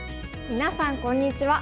みなさんこんにちは。